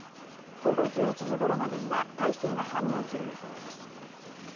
午後１１時ごろまでには大勢が判明する見込みです。